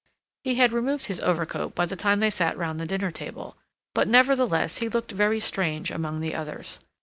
He had removed his overcoat by the time they sat round the dinner table, but nevertheless he looked very strange among the others.